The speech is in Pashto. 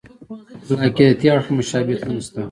له عقیدتي اړخه مشابهتونه شته.